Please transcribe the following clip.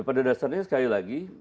pada dasarnya sekali lagi